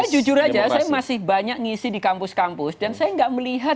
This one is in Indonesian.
saya jujur saja saya masih banyak ngisi di kampus kampus dan saya tidak melihat kelompok kelompok studi